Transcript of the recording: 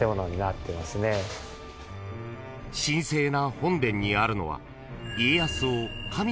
［神聖な本殿にあるのは］